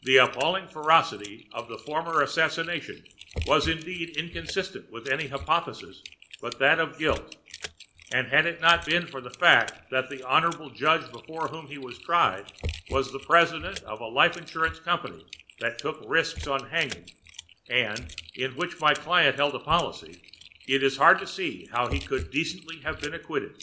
The appalling ferocity of the former assassination was indeed inconsistent with any hypothesis but that of guilt; and had it not been for the fact that the honorable judge before whom he was tried was the president of a life insurance company that took risks on hanging, and in which my client held a policy, it is hard to see how he could decently have been acquitted.